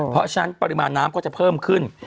เพราะฉะนั้นปริมาณน้ำก็จะเพิ่มขึ้น